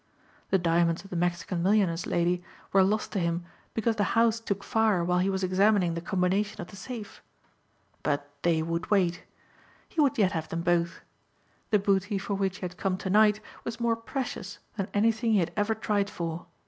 The diamonds of the Mexican millionaire's lady were lost to him because the house took fire while he was examining the combination of the safe. But they would wait. He would yet have them both. The booty for which he had come tonight was more precious than anything he had ever tried for.